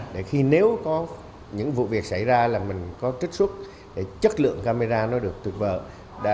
để khi nếu có những vụ việc xảy ra là mình có trích xuất để chất lượng camera nó được tuyệt vờ